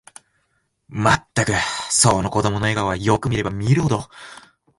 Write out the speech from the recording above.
まったく、その子供の笑顔は、よく見れば見るほど、